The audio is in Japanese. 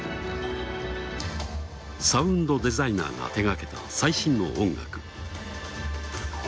サウンドデザイナーが手がけた最新の音楽。